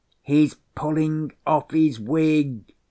"He's pulling off his wig!"